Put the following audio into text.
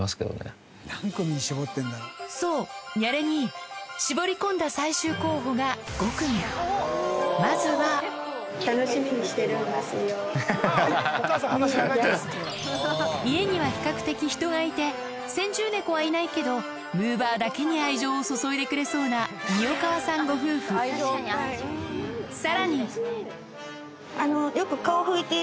そうニャレ兄絞り込んだ最終候補が５組まずは家には比較的人がいて先住猫はいないけどむぅばあだけに愛情を注いでくれそうな三代川さんご夫婦さらに